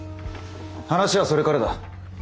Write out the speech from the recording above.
話はそれからだ。